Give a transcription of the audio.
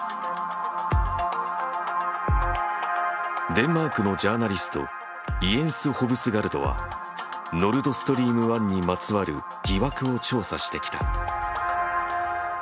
デンマークのジャーナリストイェンス・ホヴスガルドはノルドストリーム１にまつわる疑惑を調査してきた。